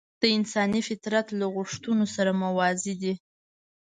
د انساني فطرت له غوښتنو سره موازي دي.